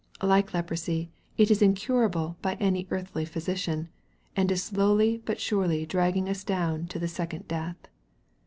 Like leprosy, it is incurable by any earthly physician, and is slowly but surely dragging us down to the second death.